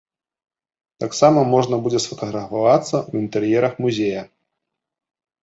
Таксама можна будзе сфатаграфавацца ў інтэр'ерах музея.